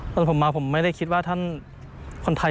ตอนผมมาผมไม่ได้คิดว่าท่านคนไทย